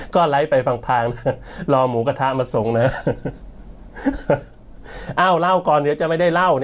ก็ไลค์ไปพางรอหมูกระทะมาส่งนะฮะเอ้าเล่าก่อนเลยจะไม่ได้เล่า